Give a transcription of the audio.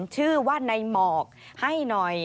ชื่อว่าในหมอกให้หน่อย